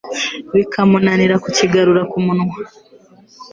bikamunanira kukigarura ku munwa